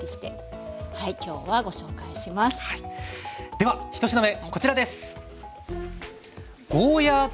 では１品目こちらです。